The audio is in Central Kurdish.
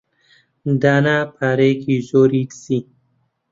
دانا پارەیەکی زۆری دزی.